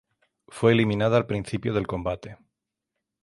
Fue eliminada al principio del combate.